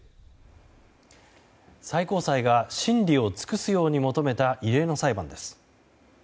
最高裁が審理を尽くすよう求めた異例の裁判です。